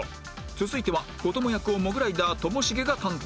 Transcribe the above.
続いては子ども役をモグライダーともしげが担当